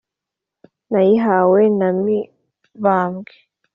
nayihawe na mibambwe,